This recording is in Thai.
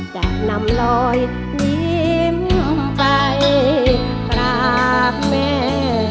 จากน้ำลอยยิ้มไปรักแม่